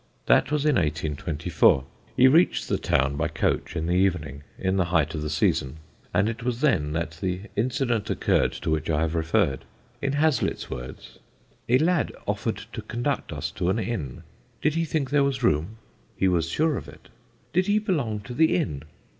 That was in 1824. He reached the town by coach in the evening, in the height of the season, and it was then that the incident occurred to which I have referred. In Hazlitt's words: "A lad offered to conduct us to an inn. 'Did he think there was room?' He was sure of it. 'Did he belong to the inn?'